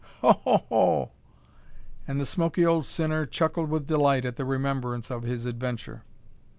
Ho! ho! hoo!" And the smoky old sinner chuckled with delight at the remembrance of his adventure.